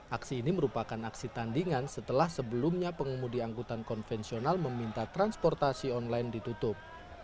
aksi ini merupakan aksi tandingan setelah sebelumnya pengemudi angkutan konvensional meminta transportasi online ditutup